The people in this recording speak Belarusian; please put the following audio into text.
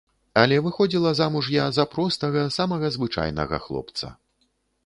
Але выходзіла замуж я за простага, самага звычайнага хлопца.